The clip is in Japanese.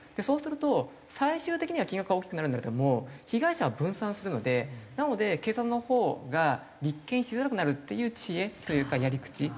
そうすると最終的には金額は大きくなるんだけども被害者は分散するのでなので検察のほうが立件しづらくなるっていう知恵というかやり口。